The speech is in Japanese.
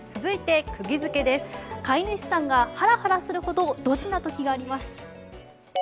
飼い主さんがハラハラするほどドジな時があります。